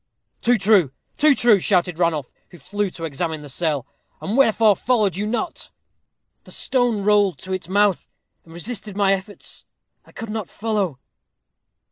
"Too true, too true," shouted Ranulph, who flew to examine the cell. "And wherefore followed you not?" "The stone rolled to its mouth, and resisted my efforts. I could not follow."